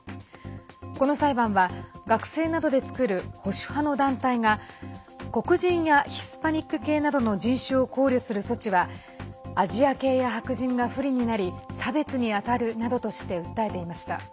この裁判は学生などで作る保守派の団体が黒人やヒスパニック系などの人種を考慮する措置はアジア系や白人が不利になり差別に当たるなどとして訴えていました。